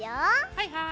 はいはい！